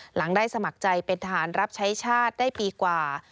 หลังได้สมัครใจเป็นทหารรับใช้ชาติได้ปีกว่า